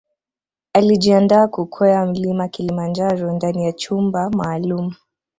Alijiandaa kukwea Mlima Kilimanjaro ndani ya chumba maalum